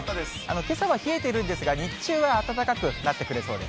けさは冷えているんですが、日中は暖かくなってくれそうです。